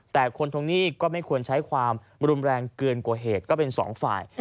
แต่คนทวงหนี้ก็ไม่ควรใช้ความรุนแรงเกินกว่าเหตุก็เป็นสองฝ่าย